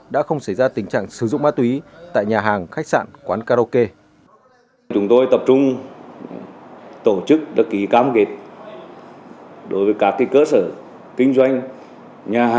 đối với một số nhà hàng khách sạn quán karaoke trên địa bàn